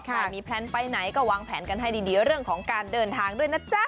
ใครมีแพลนไปไหนก็วางแผนกันให้ดีเรื่องของการเดินทางด้วยนะจ๊ะ